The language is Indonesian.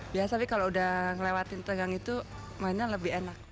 biasa sih kalau udah ngelewatin tegang itu mainnya lebih enak